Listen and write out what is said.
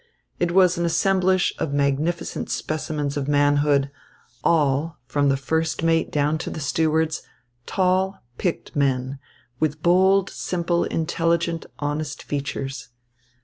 It was an assemblage of magnificent specimens of manhood, all, from the first mate down to the stewards, tall, picked men, with bold, simple, intelligent, honest features.